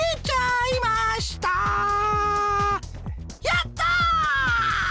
やった！